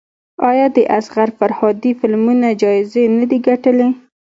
آیا د اصغر فرهادي فلمونه جایزې نه دي ګټلي؟